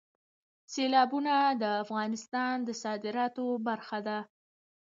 سیلابونه د افغانستان د صادراتو برخه ده.